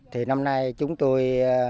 thì năm nay chúng tôi